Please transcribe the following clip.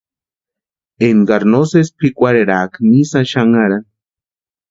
Énkari no sési pʼikwarheraaka ni sáni xanharani.